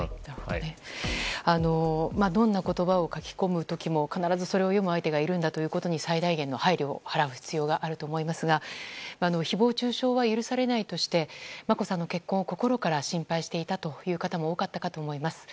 どんな言葉を書き込む時も必ずそれを読む相手がいるんだということに最大限の配慮を払う必要があると思いますが誹謗中傷は許されないとして眞子さんの結婚を心から心配していたという方も多かったと思います。